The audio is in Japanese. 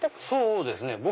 そうですね。